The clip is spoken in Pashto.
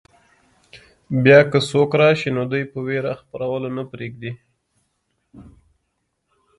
بیا که څوک راشي نو دوی په وېره خپرولو نه پرېږدي.